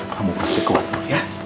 kamu pasti kuat ya